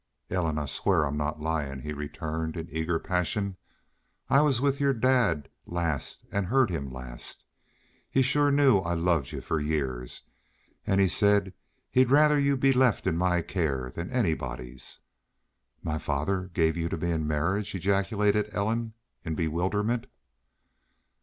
"Ellen, I swear I'm not lyin'," he returned, in eager passion. "I was with your dad last an' heard him last. He shore knew I'd loved y'u for years. An' he said he'd rather y'u be left in my care than anybody's." "My father gave me to y'u in marriage!" ejaculated Ellen, in bewilderment.